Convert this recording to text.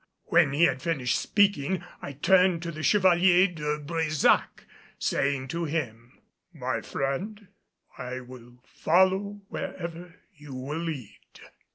When he had finished speaking I turned to the Chevalier De Brésac, saying to him: "My friend, I will follow wherever you will lead."